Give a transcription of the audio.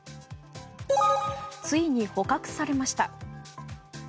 ついに捕獲されました。